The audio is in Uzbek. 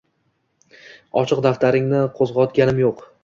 Ochiq daftaringni qo’zg’otganim yo’q